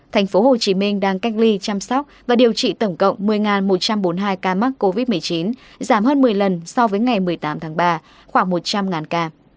tp hcm đang cách ly chăm sóc và điều trị tổng cộng một mươi một trăm bốn mươi hai ca mắc covid một mươi chín giảm hơn một mươi lần so với ngày một mươi tám tháng ba khoảng một trăm linh ca